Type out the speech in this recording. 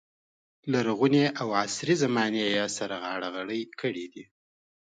لرغونې او عصري زمانه یې سره غاړه غړۍ کړې دي.